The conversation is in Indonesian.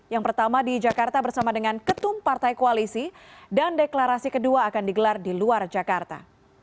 yang pertama di jakarta bersama dengan ketum partai koalisi dan deklarasi kedua akan digelar di luar jakarta